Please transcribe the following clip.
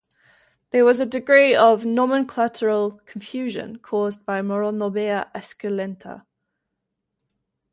There was a degree of nomenclatural confusion, caused by "Moronobea esculenta".